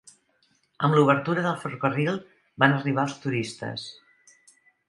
Amb la obertura del ferrocarril van arribar els turistes.